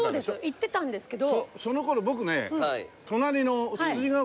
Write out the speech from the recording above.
行ってたんですけど。